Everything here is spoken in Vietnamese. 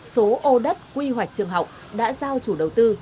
số ô đất quy hoạch trường học đã giao chủ đầu tư